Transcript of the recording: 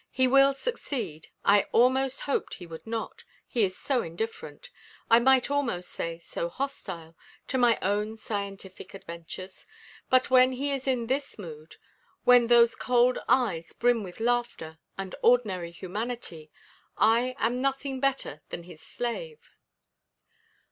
"He will succeed. I almost hoped he would not, he is so indifferent I might almost say so hostile to my own scientific adventures. But when he is in this mood, when those cold eyes brim with laughter and ordinary humanity, I am nothing better than his slave."